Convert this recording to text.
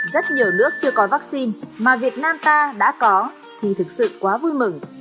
rất nhiều nước chưa có vaccine mà việt nam ta đã có thì thật sự quá vui mừng